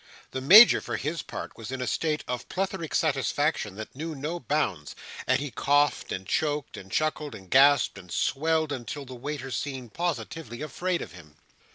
The Major, for his part, was in a state of plethoric satisfaction that knew no bounds: and he coughed, and choked, and chuckled, and gasped, and swelled, until the waiters seemed positively afraid of him.